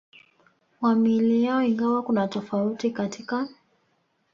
wa miili yao ingawa kuna tofauti katika